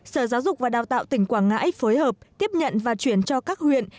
sở giáo dục và đào tạo tỉnh quảng ngãi phối hợp tiếp nhận và chuyển cho các huyện